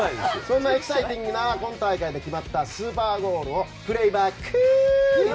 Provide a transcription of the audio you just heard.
そんなエキサイティングな今大会で決まったスーパーゴールをプレーバックゥ！